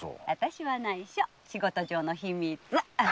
私は内緒仕事上の秘密。